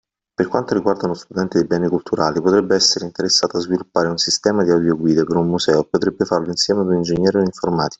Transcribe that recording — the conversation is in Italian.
Per quanto riguarda uno studente di Beni Culturali potrebbe essere interessato a sviluppare un sistema di audioguide per un museo e potrebbe farlo insieme a un ingegnere e un informatico.